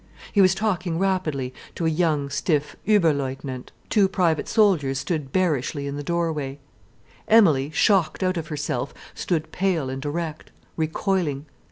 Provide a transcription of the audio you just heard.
He was talking rapidly to a young, stiff Ober leutnant. Two private soldiers stood bearishly in the doorway. Emilie, shocked out of herself, stood pale and erect, recoiling.